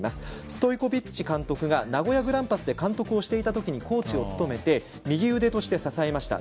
ストイコビッチ監督が名古屋グランパスで監督をしていた時にコーチを務めて右腕として支えました。